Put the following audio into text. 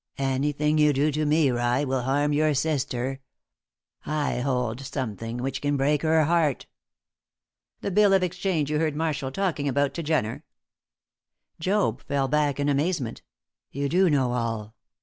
"Anything you do to me, rye, will harm your sister. I hold something which can break her heart." "The bill of exchange you heard Marshall talking about to Jenner?" Job fell back in amazement. "You do know all!